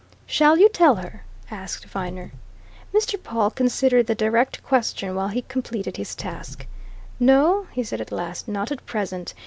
"Shall you tell her?" asked Viner. Mr. Pawle considered the direct question while he completed his task. "No," he said at last, "not at present.